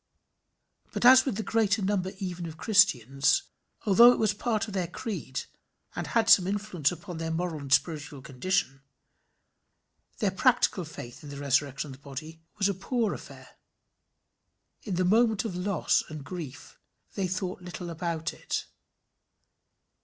But as with the greater number even of Christians, although it was part of their creed, and had some influence upon their moral and spiritual condition, their practical faith in the resurrection of the body was a poor affair. In the moment of loss and grief, they thought little about it.